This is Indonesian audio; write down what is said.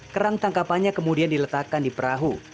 kerang tangkapannya kemudian diletakkan di perahu